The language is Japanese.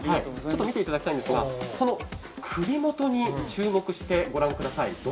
ちょっと見ていただきたいんですが首元に注目してご覧ください。